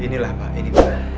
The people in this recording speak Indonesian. inilah pak ini